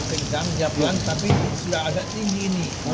karena air naikkan tidak terlalu sejauh tapi sudah agak tinggi ini